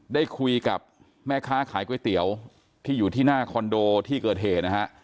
ได้คุยกับแม่ค้าขายก๋วยเตี๋ยวที่อยู่ที่หน้าคอนโดที่เกิดเหตุนะฮะ